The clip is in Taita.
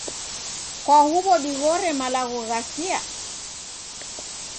kwa huw'o dighore malagho ghasia?